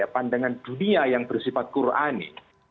pandangan dunia yang bersifat qurani